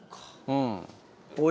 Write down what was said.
うん。